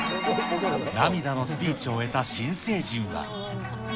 涙のスピーチを終えた新成人は。